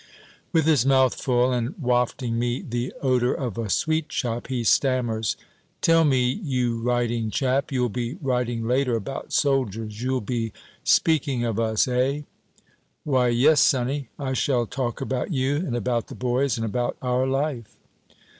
With his mouth full, and wafting me the odor of a sweetshop, he stammers "Tell me, you writing chap, you'll be writing later about soldiers, you'll be speaking of us, eh?" "Why yes, sonny, I shall talk about you, and about the boys, and about our life."